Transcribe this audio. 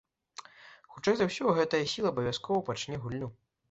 І хутчэй за ўсё гэтая сіла абавязкова пачне гульню.